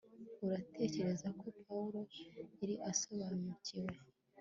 uratekereza ko pawulo yari asobanukiwe